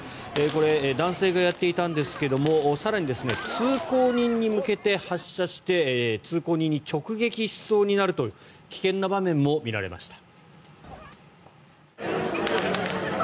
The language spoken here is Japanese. これは男性がやっていたんですが更に通行人に向けて発射して通行人に直撃しそうになるという危険な場面も見られました。